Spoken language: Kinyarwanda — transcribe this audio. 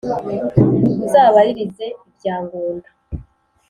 Uzabaririze ibya Ngunda